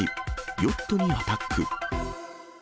ヨットにアタック。